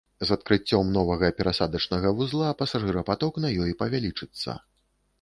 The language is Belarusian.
З адкрыццём новага перасадачнага вузла пасажырапаток на ёй павялічыцца.